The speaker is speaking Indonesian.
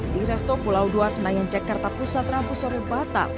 di resto pulau dua senayan jakarta pusat rambu sorobata